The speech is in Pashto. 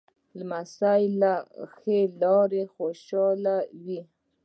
لمسی له ښې لاره خوشحاله وي.